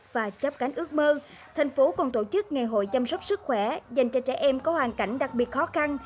và chấp cánh ước mơ thành phố còn tổ chức ngày hội chăm sóc sức khỏe dành cho trẻ em có hoàn cảnh đặc biệt khó khăn